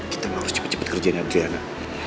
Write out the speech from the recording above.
kita harus cepet cepet kerjain adriana